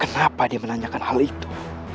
kenapa dia menanyakan hal itu